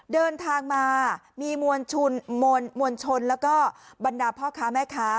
ดินทางมามีมวลชุนและบรรดาพ่อและแม่ค้า